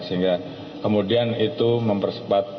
sehingga kemudian itu mempersepat prosesnya